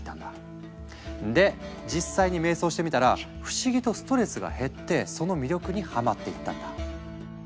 で実際に瞑想してみたら不思議とストレスが減ってその魅力にハマっていったんだ。